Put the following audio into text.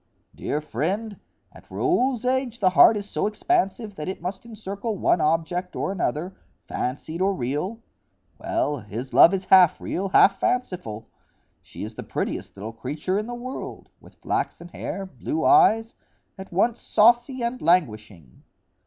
"Dear friend, at Raoul's age the heart is so expansive that it must encircle one object or another, fancied or real. Well, his love is half real, half fanciful. She is the prettiest little creature in the world, with flaxen hair, blue eyes,—at once saucy and languishing."